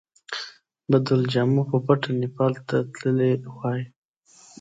بدلو جامو په پټه نیپال ته تللی وای.